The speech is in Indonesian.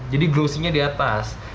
jadi grossingnya diatas